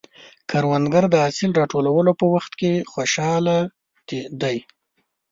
کروندګر د حاصل راټولولو وخت خوشحال دی